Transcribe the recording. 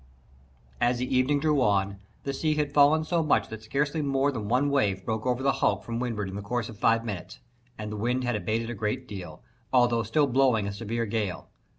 As the evening drew on, the sea had fallen so much that scarcely more than one wave broke over the hulk from windward in the course of five minutes, and the wind had abated a great deal, although still blowing a severe gale.